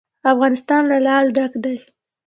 افغانستان له لعل ډک دی.